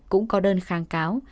cũng có đơn kháng cáo